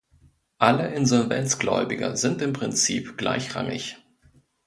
Alle Insolvenzgläubiger sind im Prinzip gleichrangig.